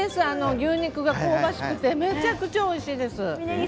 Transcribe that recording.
牛肉が香ばしくてめちゃくちゃおいしいです。